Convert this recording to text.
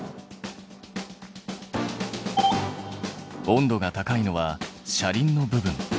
温度が高いのは車輪の部分。